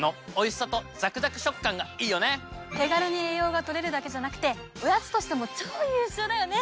手軽に栄養が取れるだけじゃなくておやつとしても超優秀だよね！